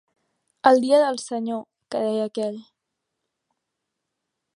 El dia del senyor, que deia aquell.